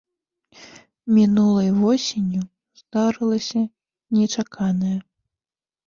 Мінулай восенню здарылася нечаканае.